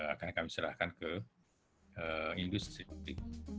akan kami serahkan ke industri